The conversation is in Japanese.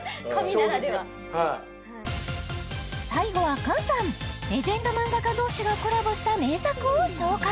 衝撃最後は菅さんレジェンド漫画家同士がコラボした名作を紹介